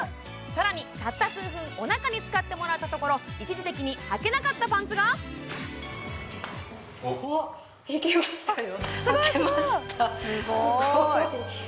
更にたった数分おなかに使ってもらったところ一時的にはけなかったパンツがあっいけましたよえー！